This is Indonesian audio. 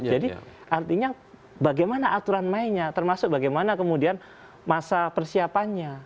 jadi artinya bagaimana aturan mainnya termasuk bagaimana kemudian masa persiapannya